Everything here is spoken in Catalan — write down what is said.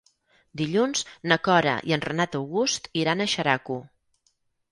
Dilluns na Cora i en Renat August iran a Xeraco.